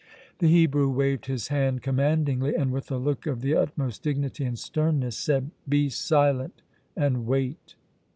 The Hebrew waved his hand commandingly and, with a look of the utmost dignity and sternness, said: "Be silent and wait!"